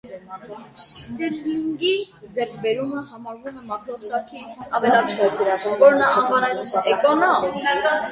Ստիռլինգի ձեռքբերումը համարվում է մաքրող սարքի ավելացումը, որը նա անվանեց «էկոնոմ»։